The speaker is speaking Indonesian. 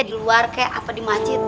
di luar kayak apa di masjid